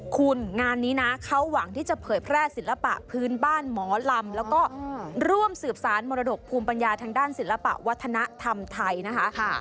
คุณงานนี้นะเขาหวังที่จะเผยแพร่ศิลปะพื้นบ้านหมอลำแล้วก็ร่วมสืบสารมรดกภูมิปัญญาทางด้านศิลปะวัฒนธรรมไทยนะคะ